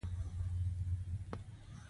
تواب رڼا ته کتل.